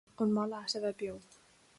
An maith leat a bheith beo?